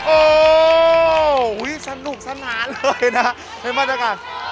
โอ้อุ้ยสนุกสนานเลยนะฮะไม่มั่นเท่ากัน